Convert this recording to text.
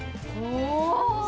お！